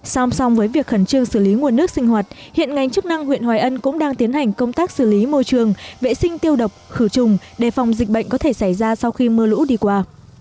song song với việc khẩn trương xử lý nguồn nước sinh hoạt hiện ngành chức năng huyện hoài ân cũng đang tiến hành công tác xử lý môi trường vệ sinh tiêu độc khử trùng đề phòng dịch bệnh có thể xảy ra sau khi mưa lũ đi qua